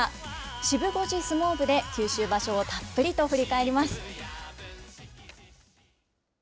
シブ５時相撲部で、九州場所をたっぷりと振り返ります。